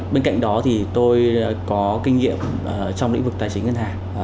bên cạnh đó thì tôi có kinh nghiệm trong lĩnh vực tài chính ngân hàng